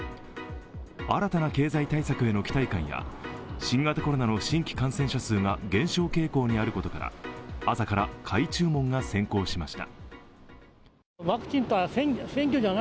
新たな経済対策への期待感や、新型コロナの新規感染者数が減少傾向にあることから、朝から買い注文が先行しました。